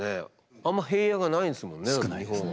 あんま平野がないんですもんね日本は。